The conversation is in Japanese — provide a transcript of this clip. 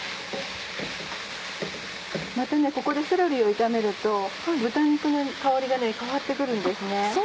ここでセロリを炒めると豚肉の香りが変わって来るんですね。